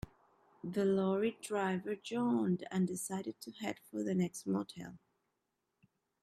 The lorry driver yawned and decided to head for the next motel.